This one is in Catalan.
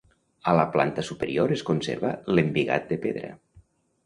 A la planta superior es conserva l'embigat de pedra.